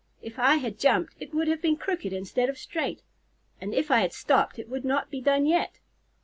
If I had jumped, it would have been crooked instead of straight; and if I had stopped, it would not be done yet."